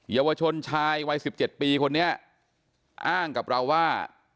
เยาวชนชายวัย๑๗ปีคนนี้อ้างกับเราว่า